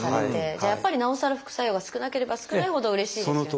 じゃあやっぱりなおさら副作用が少なければ少ないほどうれしいですよね。